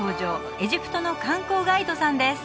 エジプトの観光ガイドさんです